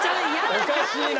おかしいな。